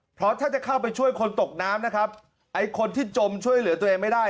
เพราะถ้าจะเข้าไปช่วยคนตกน้ำนะครับไอ้คนที่จมช่วยเหลือตัวเองไม่ได้